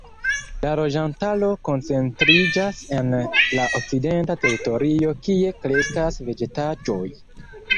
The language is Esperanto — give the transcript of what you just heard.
La loĝantaro koncentriĝas en la okcidenta teritorio kie kreskas vegetaĵoj.